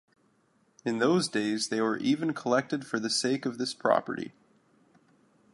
In those days they were even collected for the sake of this property.